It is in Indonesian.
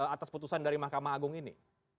atas putusan dari mahkamah agung ini